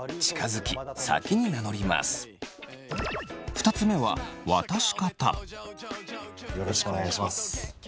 ２つ目はよろしくお願いします。